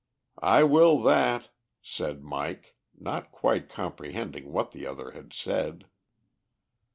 "I will that," said Mike, not quite comprehending what the other had said.